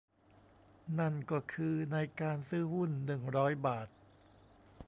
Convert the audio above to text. นั่นก็คือ ในการซื้อหุ้น หนึ่งร้อย บาท